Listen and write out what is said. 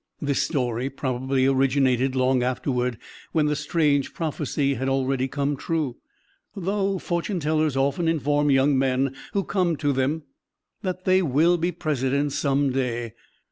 This story probably originated long afterward, when the strange prophecy had already come true though fortune tellers often inform young men who come to them that they will be Presidents some day.